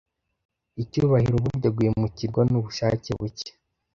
icyubahiro burya guhemukirwa nubushake buke